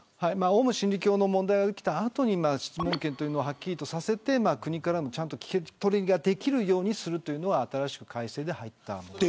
オウム真理教の問題が起きたあとに質問権をはっきりさせて国からも聞き取りができるようにするというのが新しい改正で入った。